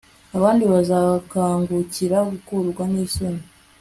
abandi bazakangukira gukorwa n'isoni